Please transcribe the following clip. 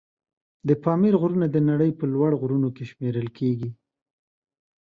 د پامیر غرونه د نړۍ په لوړ غرونو کې شمېرل کېږي.